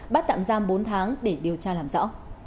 bắt tạm giam bốn tháng để điều tra làm rõ